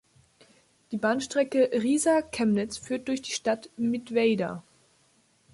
Die Bahnstrecke Riesa–Chemnitz führt durch die Stadt Mittweida.